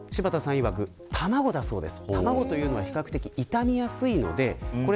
いわく卵だそうです。